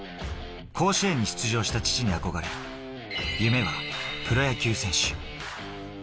甲子園に出場した父に憧れ、夢はプロ野球選手。